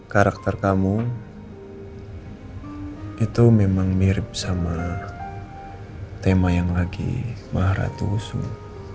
karakter kamu itu memang mirip sama tema yang lagi maha ratu usung